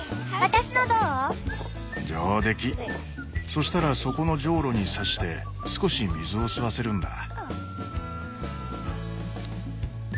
そしたらそこのジョウロに挿して少し水を吸わせるんだ。